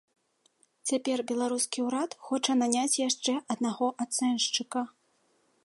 Цяпер беларускі ўрад хоча наняць яшчэ аднаго ацэншчыка.